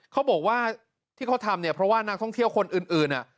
เขาบอกว่าที่เขาทำเนี่ยเพราะว่านักท่องเที่ยวคนอื่น